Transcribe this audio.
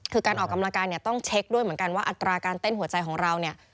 คือการออกกำลังกายเนี่ยต้องเช็คด้วยเหมือนกันว่าอัตราการเต้นหัวใจของเราเนี่ย